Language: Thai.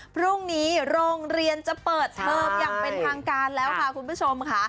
พรุ่งนี้โรงเรียนจะเปิดเทอมอย่างเป็นทางการแล้วค่ะคุณผู้ชมค่ะ